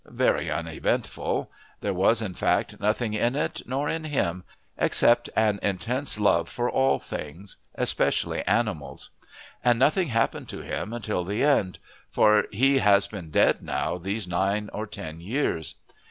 Very uneventful: there was, in fact, nothing in it, nor in him, except an intense love for all things, especially animals; and nothing happened to him until the end, for he has been dead now these nine or ten years.